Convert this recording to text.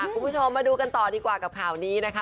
คุณผู้ชมมาดูกันต่อดีกว่ากับข่าวนี้นะคะ